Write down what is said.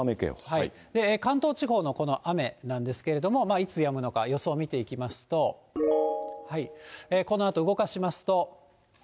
関東地方のこの雨なんですけれども、いつやむのか、予想を見ていきますと、このあと動かしますと。